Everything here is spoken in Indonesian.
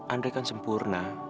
andrei kan sempurna